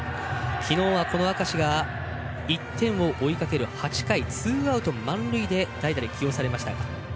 きのうはこの明石が１点を追いかける８回ツーアウト満塁で代打に起用されました。